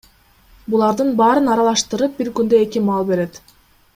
Булардын баарын аралаштырып, бир күндө эки маал берет.